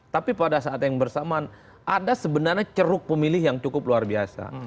tapi pada saat yang bersamaan ada sebenarnya ceruk pemilih yang cukup luar biasa